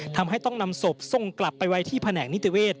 ทำให้ต้องนำศพทรงกลับไปไว้ที่แผนกนิติเวศ